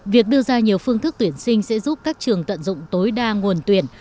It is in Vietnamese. việc đưa ra nhiều phương thức tuyển sinh sẽ giúp các trường tận dụng tối đa nguồn tuyển